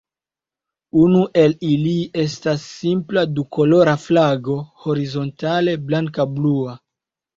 Unu el ili estas simpla dukolora flago horizontale blanka-blua.